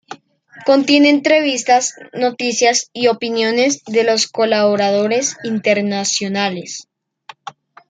Contiene entrevistas, noticias y opiniones de los colaboradores internacionales.